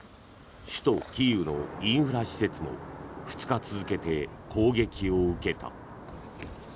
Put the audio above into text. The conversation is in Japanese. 首都キーウのインフラ施設も２日続けて攻撃を受けた。